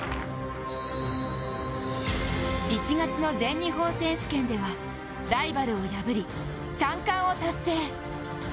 １月の全日本選手権ではライバルを破り、３冠達成。